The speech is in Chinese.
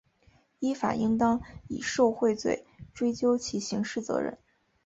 依法应当以受贿罪追究其刑事责任